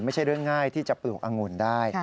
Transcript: ไม่ใช่เรื่องง่ายที่จะปลูกอังุ่นได้